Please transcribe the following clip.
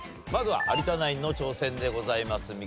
まずは有田ナインの挑戦でございます。